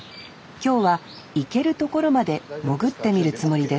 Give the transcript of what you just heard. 今日は行ける所まで潜ってみるつもりです